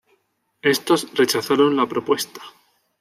Estos rechazaron la propuesta.